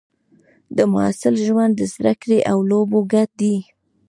د محصل ژوند د زده کړې او لوبو ګډ دی.